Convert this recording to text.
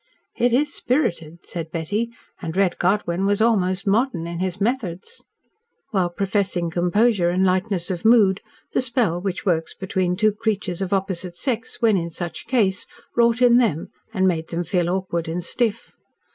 "It is spirited," said Betty, "and Red Godwyn was almost modern in his methods." While professing composure and lightness of mood, the spell which works between two creatures of opposite sex when in such case wrought in them and made them feel awkward and stiff.